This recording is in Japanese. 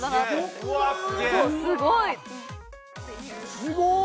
すごい！